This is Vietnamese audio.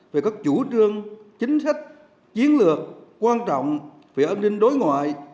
về các chủ trương chính sách chiến lược quan trọng về an ninh đối ngoại